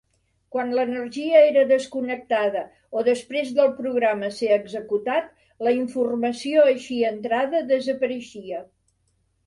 Quan l'energia era desconnectada o després del programa ser executat, la informació així entrada desapareixia.